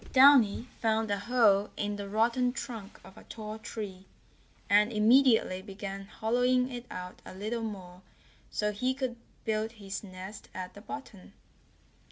Downy found a hole in the rotten trunk of a tall tree, and immediately began hollowing it out a little more so he could build his nest at the bottom.